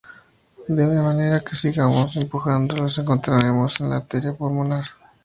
De manera que si seguimos empujando nos encontraremos en la arteria pulmonar.